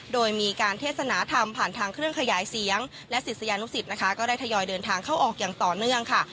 โดยมีการเทศนาธรรมผ่านทางเครื่องขยายเสียงและศิษยานุสิตนะคะก็ได้ทยอยเดินทางเข้าออกอย่างต่อเนื่องค่ะ